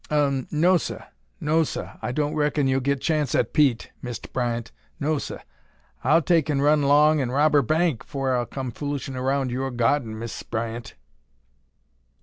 "Um no, seh! No, seh! I don' raikon you'll get chance at Pete, Mist' Bryant. No, seh. I'll take an' run 'long an' rob er bank 'fore I'll come foolishin' 'round your gawden, Mist' Bryant."